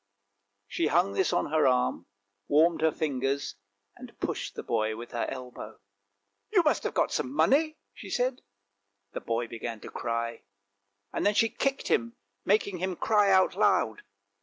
She hung this on her arm, warmed her fingers, and pushed the boy with her elbow. " You must have got some money," she said. The boy began to cry, and then she kicked him, making him cry out loud.